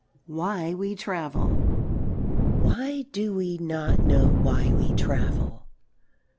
WHY WE TRAVEL Why do we not know why we travel?